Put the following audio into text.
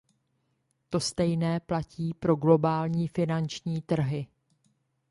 To stejné platí pro globální finanční trhy.